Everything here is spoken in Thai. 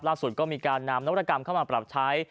ล่าสุดก็มีการนำนวรกรรมเข้ามาปรับใช้